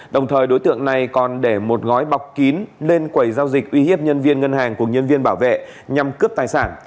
đồng thời đối tượng này còn để một gói bọc kín lên quầy giao dịch uy hiếp nhân viên ngân hàng của nhân viên bảo vệ nhằm cướp tài sản